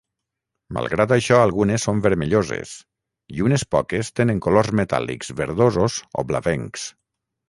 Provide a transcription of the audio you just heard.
Malgrat això algunes són vermelloses i unes poques tenen colors metàl·lics verdosos o blavencs.